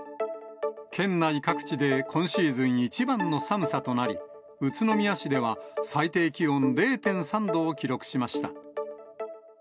県内各地で今シーズン一番の寒さとなり、宇都宮市では最低気温０．３度を記録しました。